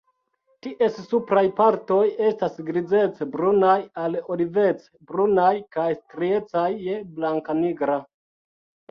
Ties supraj partoj estas grizec-brunaj al olivec-brunaj kaj striecaj je blankanigra.